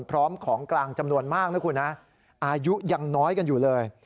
พร้อมของกลางจำนวนมากนะคุณนะอายุยังน้อยกันอยู่เลย